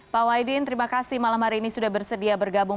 pak wahidin terima kasih malam hari ini sudah bersedia bergabung